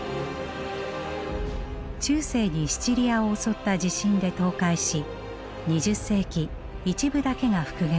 中世にシチリアを襲った地震で倒壊し２０世紀一部だけが復元されました。